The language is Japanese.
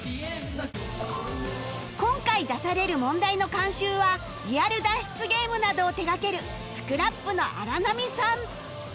今回出される問題の監修はリアル脱出ゲームなどを手がける ＳＣＲＡＰ のあらなみさん